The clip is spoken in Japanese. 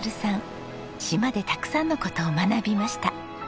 島でたくさんの事を学びました。